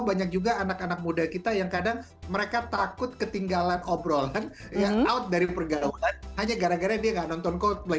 banyak juga anak anak muda kita yang kadang mereka takut ketinggalan obrolan ya out dari pergaulan hanya gara gara dia nggak nonton coldplay